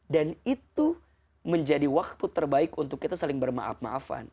dan itu menjadi waktu terbaik untuk kita saling bermaaf maafan